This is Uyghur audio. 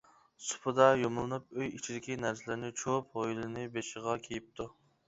سۇپىدا يۇمىلىنىپ ئۆي ئىچىدىكى نەرسىلەرنى چۇۋۇپ ھويلىنى بېشىغا كىيىپتۇ.